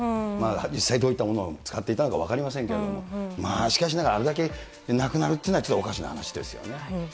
実際どういったものを使っていたのか分かりませんけど、しかしながらあれだけなくなるっていうのは、ちょっとおかしな話ですよね。